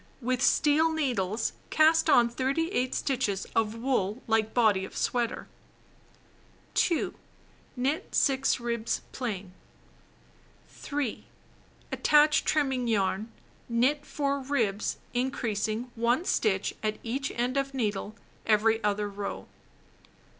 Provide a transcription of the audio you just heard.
With steel needles cast on 38 stitches of wool like body of sweater. 2. Knit 6 ribs plain. 3. Attach trimming yarn. Knit 4 ribs, increasing 1 stitch at each end of needle every other row.